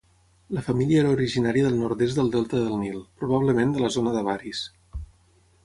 La família era originària del nord-est del delta del Nil, probablement de la zona d'Avaris.